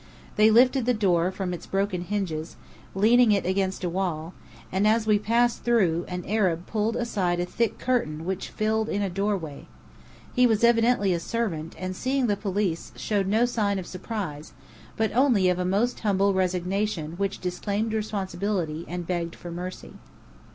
They lifted the door from its broken hinges, leaning it against a wall; and as we passed through, an Arab pulled aside a thick curtain which filled in a doorway. He was evidently a servant, and seeing the police, showed no sign of surprise, but only of a most humble resignation which disclaimed responsibility and begged for mercy.